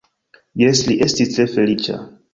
Jes, li estis tre feliĉa.